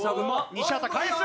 西畑返す！